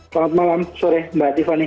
selamat malam sore mbak tiffany